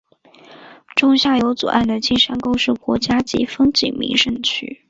中下游左岸的青山沟是国家级风景名胜区。